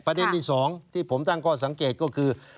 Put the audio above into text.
ประเด็นที่สองที่ผมตั้งก็สังเกตก็คือ